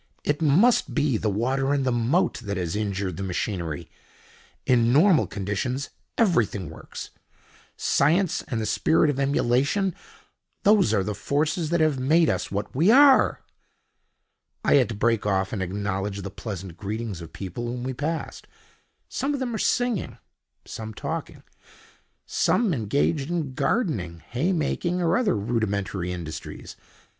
It must be the water in the moat that has injured the machinery. In normal conditions everything works. Science and the spirit of emulation—those are the forces that have made us what we are." I had to break off and acknowledge the pleasant greetings of people whom we passed. Some of them were singing, some talking, some engaged in gardening, hay making, or other rudimentary industries.